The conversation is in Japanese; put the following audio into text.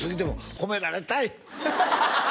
褒められたい！